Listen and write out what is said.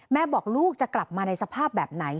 บอกลูกจะกลับมาในสภาพแบบไหน